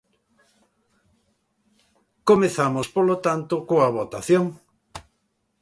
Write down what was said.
Comezamos, polo tanto, coa votación.